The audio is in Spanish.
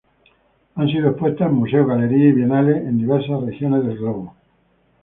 Han sido expuesta en museos, galerías y bienales en diversos regiones del globo.